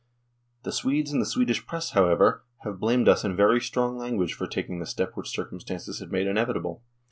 The Swedes and the Swedish Press, however, have blamed us in very strong language for taking the step which circumstances had made inevitable.